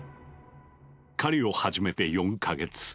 狩りを始めて４か月。